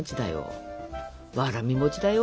わらび餅だよ。